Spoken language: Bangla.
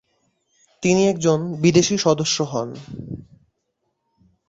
তিনি একজন বিদেশী সদস্য হন।